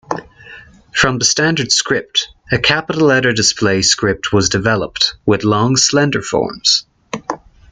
From the standard script, a capital-letter display script was developed, with long slender forms.